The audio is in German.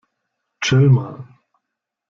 Chill mal!